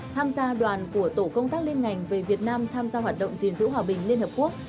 tham gia đoàn của tổ công tác liên ngành về việt nam tham gia hoạt động gìn giữ hòa bình liên hợp quốc